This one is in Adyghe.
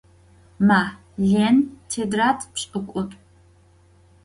Ma, Lên, têtrad pş'ık'ut'u.